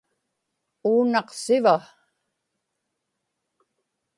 uunaqsiva